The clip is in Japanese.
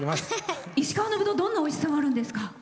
石川のぶどうどんなおいしさがあるんですか？